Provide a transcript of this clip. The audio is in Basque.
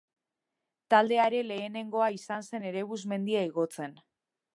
Taldea ere lehenengoa izan zen Erebus mendia igotzen.